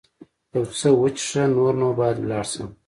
یو څه وڅښه، نور نو باید ولاړ شم.